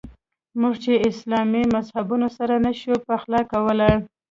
موږ چې اسلامي مذهبونه سره نه شو پخلا کولای.